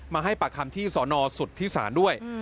มาให้ปรักคำที่สอนอสุทธิษฐานด้วย